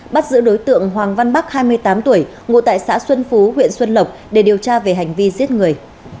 bắt giữ đối tượng hoàng văn bắc hai mươi tám tuổi ngụ tại xã xuân phú huyện xuân lộc để điều tra về hành vi giết người